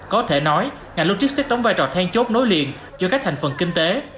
có thể nói ngành logistics đóng vai trò thang chốt nối liền cho các thành phần kinh tế